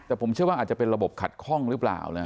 แต่ผมเชื่อว่าอาจจะเป็นระบบขัดข้องหรือเปล่านะ